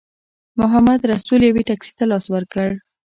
محمدرسول یوې ټیکسي ته لاس ورکړ.